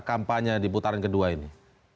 kampanye di putaran kedua ini